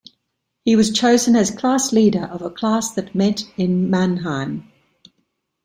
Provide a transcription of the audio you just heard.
He was chosen as class leader of a class that met in Manheim.